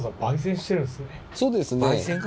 そうですね。